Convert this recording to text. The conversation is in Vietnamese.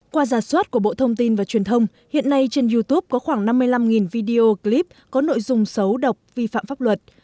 qua giả soát của bộ thông tin và truyền thông hiện nay trên youtube có khoảng năm mươi năm video clip có nội dung xấu độc vi phạm pháp luật